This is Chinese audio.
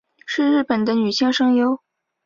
是日本的女性声优。